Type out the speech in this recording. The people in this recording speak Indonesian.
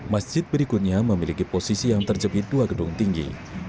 masjid berikutnya memiliki posisi yang terjepit dua gedung tinggi